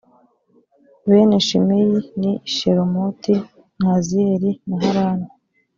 bene shimeyi ni shelomoti na haziyeli na harani